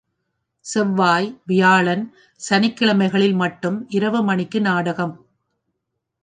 செவ்வாய், வியாழன், சனிக்கிழமைகளில் மட்டும் இரவு மணிக்கு நாடகம்.